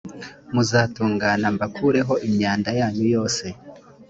muzatungana mbakureho imyanda yanyu yose